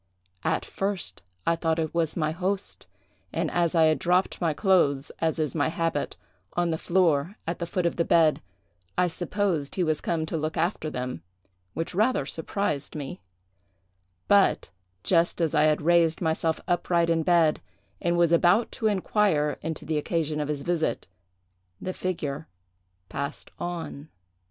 At first I thought it was my host, and as I had dropped my clothes, as is my habit, on the floor at the foot of the bed, I supposed he was come to look after them, which rather surprised me: but, just as I had raised myself upright in bed, and was about to inquire into the occasion of his visit, the figure passed on.